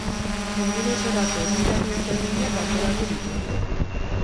Egun osorako ekitaldi ezberdinak antolatu dituzte.